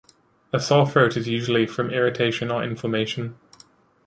A sore throat is usually from irritation or inflammation.